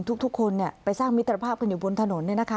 ทุกทุกคนเนี่ยไปสร้างมิตรภาพกันอยู่บนถนนเนี่ยนะคะ